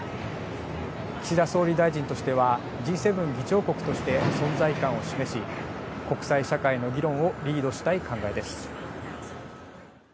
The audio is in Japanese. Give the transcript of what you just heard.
岸田総理大臣としては、Ｇ７議長国として存在感を示し、国際社会の議論をリードしたい考えです。